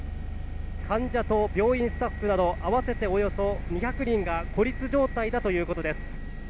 患者と病院スタッフなど合わせておよそ２００人が孤立状態だということです。